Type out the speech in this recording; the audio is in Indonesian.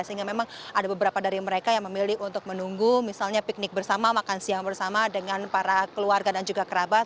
sehingga memang ada beberapa dari mereka yang memilih untuk menunggu misalnya piknik bersama makan siang bersama dengan para keluarga dan juga kerabat